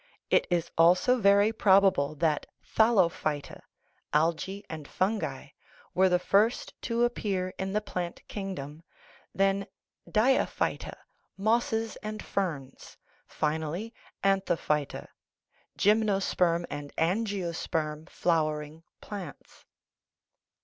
It is also very probable that thallophyta (algae and fungi) were the first to appear in the plant king dom, then diaphyta (mosses and ferns), finally antho phyta (gymnosperm and angiosperm flowering plants).